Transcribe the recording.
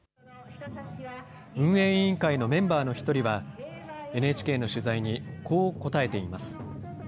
運営委員会のメンバーの１人は、ＮＨＫの取材に、こう答えています。